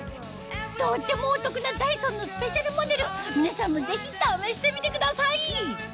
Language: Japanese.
とってもお得なダイソンのスペシャルモデル皆さんもぜひ試してみてください